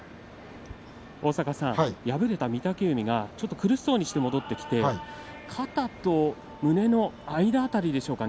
敗れた御嶽海が、ちょっと苦しそうにして戻ってきて肩と胸の間辺りでしょうか。